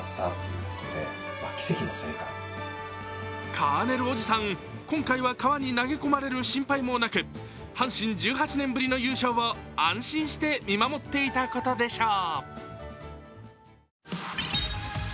カーネルおじさん、今回は川に投げ込まれる心配もなく阪神１８年ぶりの優勝を安心して見守っていたことでしょう。